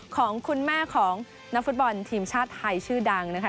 ของคุณแม่ของนักฟุตบอลทีมชาติไทยชื่อดังนะคะ